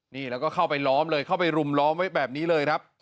นี่แล้วก็เข้าไปล้อมเลยเข้าไปรุมล้อมไว้แบบนี้เลยครับ